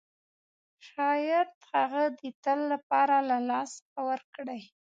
شاید هغه د تل لپاره له لاسه ورکړئ.